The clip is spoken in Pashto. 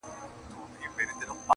نه مخ گوري د نړۍ د پاچاهانو،